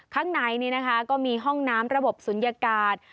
ข้างในก็มีห้องน้ำระบบศูนยากาศ